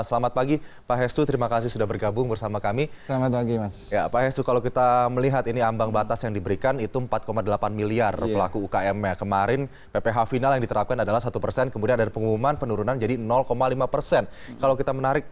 selamat pagi pak hestu terima kasih sudah bergabung bersama kami